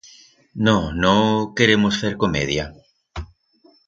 No, no... queremos fer comedia.